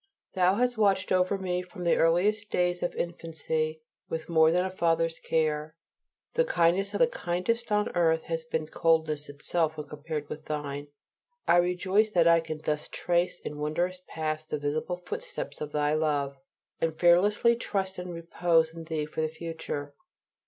Thou hast watched over me from the earliest years of infancy with more than a Father's care. The kindness of the kindest on earth has been coldness itself when compared with Thine. I rejoice that I can thus trace in a wondrous past the visible footsteps of Thy love, and fearlessly trust and repose in Thee for the future.